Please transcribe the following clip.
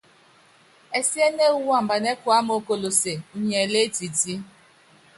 Ɛsíɛ́nɛ́ ewú wambanɛ́ kuáma ókolóse, unyi ɛlɛɛ́ etití.